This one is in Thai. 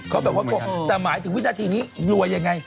เขาแบบว่ากลัวแต่หมายถึงวินาทีนี้รวยยังไง